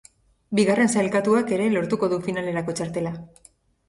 Bigarren sailkatuak ere lortuko du finalerako txartela.